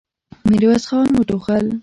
ميرويس خان وټوخل.